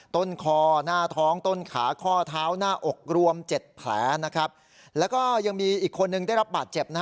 ต้นคอหน้าท้องต้นขาข้อเท้าหน้าอกรวมเจ็ดแผลนะครับแล้วก็ยังมีอีกคนนึงได้รับบาดเจ็บนะฮะ